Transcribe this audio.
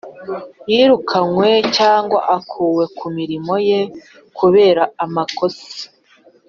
Yirukanywe cyangwa akuwe ku mirimo ye kubera amakosa